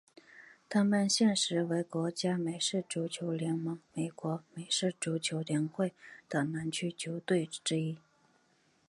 他们现时为国家美式足球联盟美国美式足球联会的南区的球队之一。